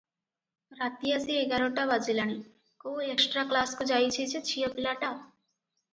ରାତି ଆସି ଏଗାରଟା ବାଜିଲାଣି କୋଉ ଏକ୍ସଟ୍ରା କ୍ଲାସକୁ ଯାଇଛିଯେ ଝିଅ ପିଲାଟା?